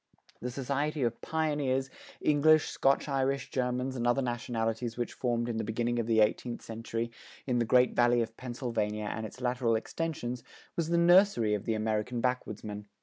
The society of pioneers, English, Scotch Irish, Germans, and other nationalities which formed in the beginning of the eighteenth century in the Great Valley of Pennsylvania and its lateral extensions was the nursery of the American backwoodsmen.